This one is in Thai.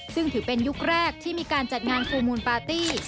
ซึ่งถือเป็นยุคแรกที่มีการจัดงานฟูลมูลปาร์ตี้